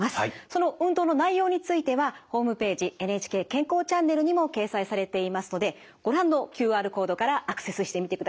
その運動の内容についてはホームページ「ＮＨＫ健康チャンネル」にも掲載されていますのでご覧のＱＲコードからアクセスしてみてください。